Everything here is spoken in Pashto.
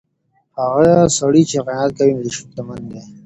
هغه سړی چي قناعت کوي شتمن دی.